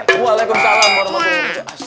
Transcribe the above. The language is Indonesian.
eh walaikumsalam warahmatullahi wabarakatuh